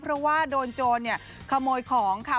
เพราะว่าโดนโจรเนี่ยขมอยของค่ะ